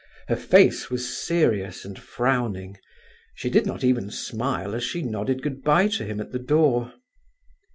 Her face was serious and frowning; she did not even smile as she nodded good bye to him at the door.